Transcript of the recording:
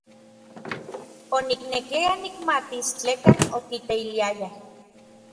Oniknekiaya nikmatis tlekan okiteiliayaj.